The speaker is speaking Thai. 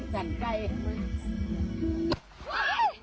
เข้ามา